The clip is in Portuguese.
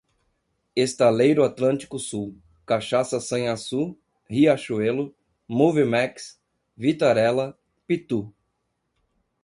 Estaleiro Atlântico Sul, Cachaça Sanhaçu, Riachuelo, Moviemax, Vitarella, Pitú